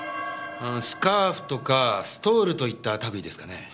スカーフとかストールといった類ですかね。